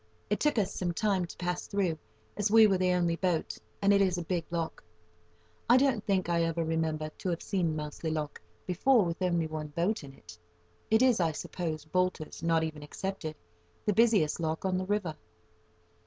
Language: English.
It took us some time to pass through, as we were the only boat, and it is a big lock. I don't think I ever remember to have seen Moulsey Lock, before, with only one boat in it. It is, I suppose, Boulter's not even excepted, the busiest lock on the river.